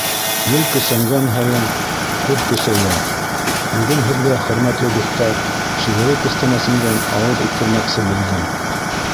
Ел көсәнгән һайын ҡуҙ көсәйә, — Бөгөн һеҙгә, хөрмәтле дуҫтар, шиғри күстәнәсемдән ауыҙ иттермәксе булдым.